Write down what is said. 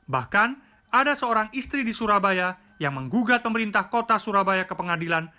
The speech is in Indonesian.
bahkan ada seorang istri di surabaya yang menggugat pemerintah kota surabaya ke pengadilan